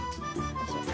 よいしょ。